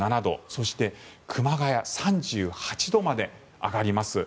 そして熊谷３８度まで上がります。